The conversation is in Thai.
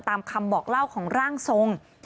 ตามคำบอกเล่าของร่างทรง